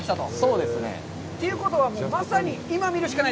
そうですね。ということは、もうまさに今、見るしかない。